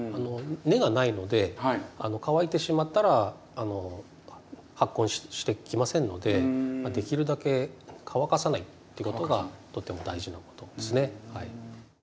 根がないので乾いてしまったら発根してきませんのでできるだけ乾かさないっていうことがとても大事なことですね。